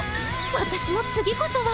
私も次こそは！